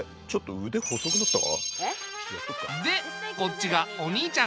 えっ？でこっちがお兄ちゃん。